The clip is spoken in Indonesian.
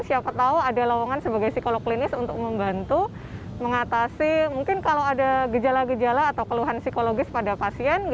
siapa tahu ada lawangan sebagai psikolog klinis untuk membantu mengatasi mungkin kalau ada gejala gejala atau keluhan psikologis pada pasien